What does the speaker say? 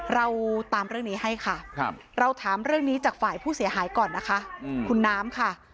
เราตามเรื่องนี้ให้ค่ะเราถามเรื่องนี้จากฝ่ายผู้เสียหายก่อนนะคะคุณน้ำค่ะ